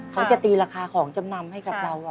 เขาจะตีราคาของจำนำให้กับเรา